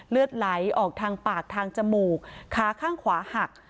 เลือดไหลออกทางปากทางจมูกขาข้างขวาหัก